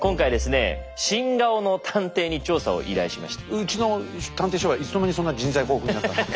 うちの探偵所はいつの間にそんな人材豊富になったんですか？